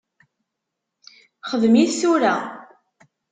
Xdem-it tura.